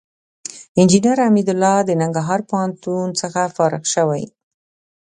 انجينر حميدالله د ننګرهار پوهنتون څخه فارغ شوى.